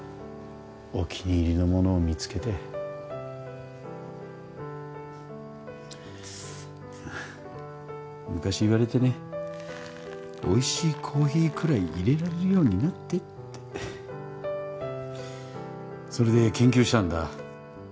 お気に入りのものを見つけて昔言われてねおいしいコーヒーくらいいれられるようになってってそれで研究したんだ